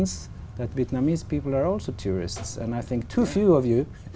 chúng ta import rất nhiều